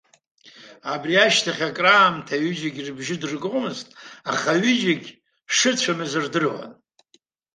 Абри ашьҭахь акраамҭа аҩыџьагьы рыбжьы дыргомызт, аха аҩыџьагьы шыцәамыз рдыруан.